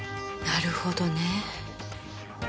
なるほどね。